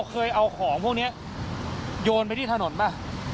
เคยเอาของพวกนี้โยนไปที่ถนนป่ะ